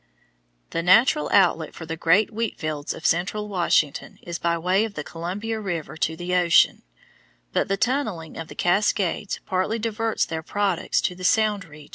The natural outlet for the great wheat fields of central Washington is by way of the Columbia River to the ocean, but the tunnelling of the Cascades partly diverts their products to the sound region.